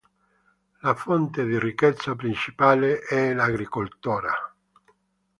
La fonte di ricchezza principale è l'agricoltura.